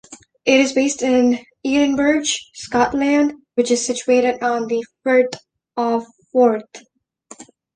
It is based in Edinburgh, Scotland, which is situated on the Firth of Forth.